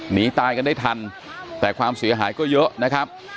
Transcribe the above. หนีตายกันได้ทันแต่ความเสียหายก็เยอะนะครับ